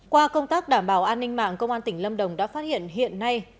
qua công tác đảm bảo an ninh mạng công an tỉnh lâm đồng đã phát hiện hiện nay